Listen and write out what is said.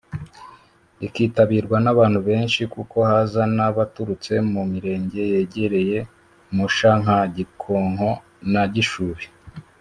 rikitabirwa n’abantu benshi kuko haza n’abaturutse mu mirenge yegereye Musha nka Gikonko na Gishubi